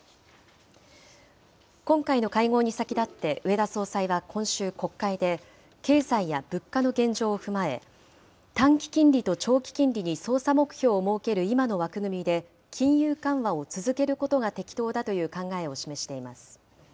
今回の会合に先立って植田総裁は今週国会で、経済や物価の現状を踏まえ、短期金利と長期金利に操作目標を設ける今の枠組みで金融緩和を続けることが適当だという考えを示しています。